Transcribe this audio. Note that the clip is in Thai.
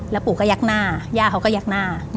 แล้วปู่ก็ยักษ์หน้าย่าเขาก็ยักษ์หน้า